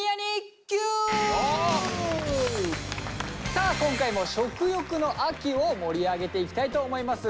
さあ今回も食欲の秋を盛り上げていきたいと思います。